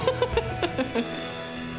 フフフ。